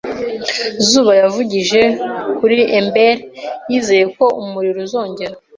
Zuba yavugije kuri ember, yizeye ko umuriro uzongera.